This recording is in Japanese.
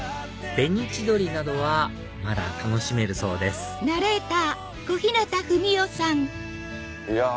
紅千鳥などはまだ楽しめるそうですいや